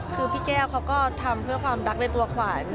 คือพี่แก้วเขาก็ทำเพื่อความรักในตัวขวัญ